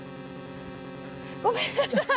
ごめんなさい。